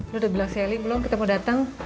lo udah bilang sally belum kita mau datang